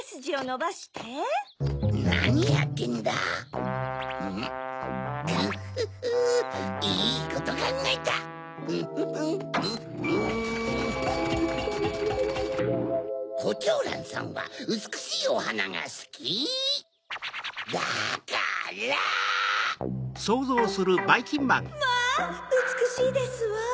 まぁうつくしいですわあ！